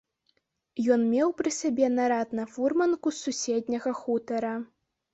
Ён меў пры сабе нарад на фурманку з суседняга хутара.